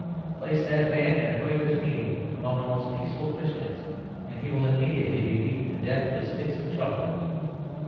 Place that man in a Quakers' meeting, among the most peaceful of Christians, and he will immediately be beaten to death with sticks of chocolate.